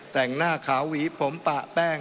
แต่งหน้าขาวหวีผมปะแป้ง